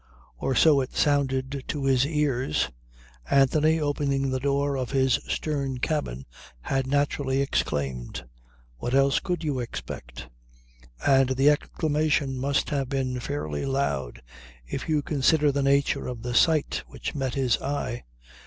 Or so it sounded to his ears. Anthony, opening the door of his stern cabin had naturally exclaimed. What else could you expect? And the exclamation must have been fairly loud if you consider the nature of the sight which met his eye.